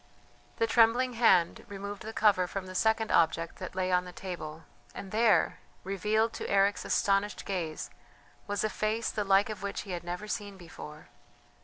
The trembling hand removed the cover from the second object that lay on the table, and there, revealed to Eric's astonished gaze, was a face the like of which he had never seen before.